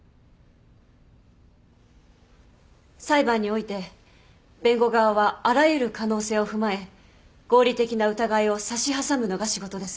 裁判において弁護側はあらゆる可能性を踏まえ合理的な疑いを差し挟むのが仕事です。